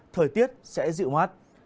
thời tiết sẽ dịu hoát